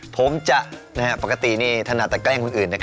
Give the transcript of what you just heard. ผมจะปกตินี่ถนัดแต่แกล้งคนอื่น